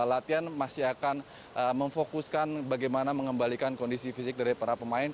latihan masih akan memfokuskan bagaimana mengembalikan kondisi fisik dari para pemain